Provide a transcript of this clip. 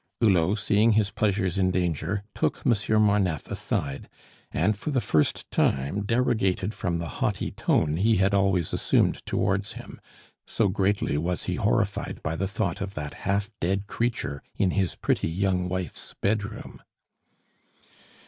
Hulot, seeing his pleasures in danger, took Monsieur Marneffe aside, and for the first time derogated from the haughty tone he had always assumed towards him, so greatly was he horrified by the thought of that half dead creature in his pretty young wife's bedroom.